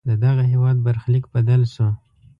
ددغه هېواد برخلیک بدل شو.